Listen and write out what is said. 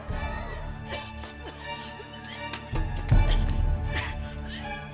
belisalandi nah yang mana